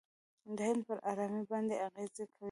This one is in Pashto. د هند پر آرامۍ باندې اغېزه کوي.